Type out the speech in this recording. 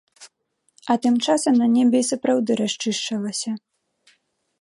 А тым часам на небе і сапраўды расчышчалася.